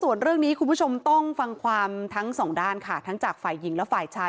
ส่วนเรื่องนี้คุณผู้ชมต้องฟังความทั้งสองด้านค่ะทั้งจากฝ่ายหญิงและฝ่ายชาย